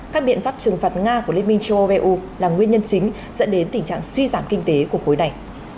các biện pháp trừng phạt nga của liên minh châu âu eu là nguyên nhân chính dẫn đến tình trạng suy giảm kinh tế của khối này